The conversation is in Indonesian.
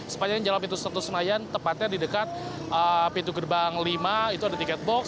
sepanjang jalan pintu satu senayan tepatnya di dekat pintu gerbang lima itu ada tiket box